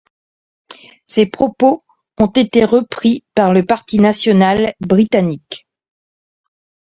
Ses propos ont été repris par le Parti national britannique.